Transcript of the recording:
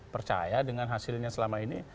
percaya dengan hasilnya selama ini